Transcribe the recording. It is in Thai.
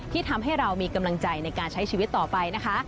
ทำให้เรามีกำลังใจในการใช้ชีวิตต่อไปนะคะ